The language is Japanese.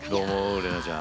怜奈ちゃん。